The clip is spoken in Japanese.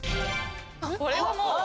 これはもう。